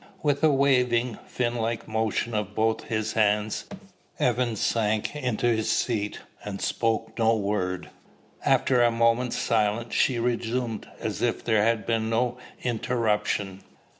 With a waving, fin like motion of both his hands, Evans sank into his seat, and spoke no word. After but a moment's silence, she resumed as if there had been no interruption.